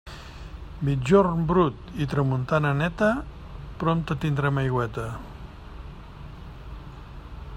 Migjorn brut i tramuntana neta? Prompte tindrem aigüeta.